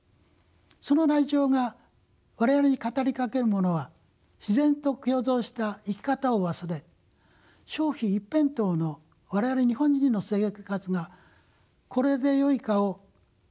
そのライチョウが我々に語りかけるものは自然と共存した生き方を忘れ消費一辺倒の我々日本人の生活がこれでよいかを問いかけてるように思います。